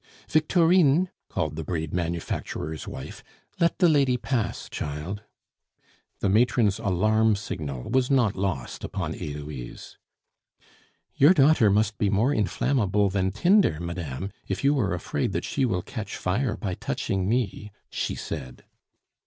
"Victorine!" called the braid manufacturer's wife, "let the lady pass, child." The matron's alarm signal was not lost upon Heloise. "Your daughter must be more inflammable than tinder, madame, if you are afraid that she will catch fire by touching me," she said.